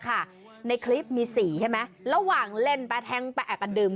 ค่ะในคลิปมีสี่ใช่ไหมระหว่างเล่นแปะแทงแปะกันดื่ม